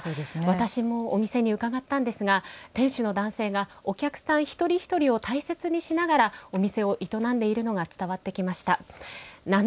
私もお店にうかがったんですが店主の男性がお客さん一人一人を大切にしながらお店を営んでいるのが伝わってきました。